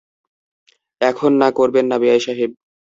এখন না করবেন না, বেয়াই সাহেব।